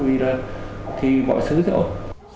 vì là thì mọi thứ sẽ ổn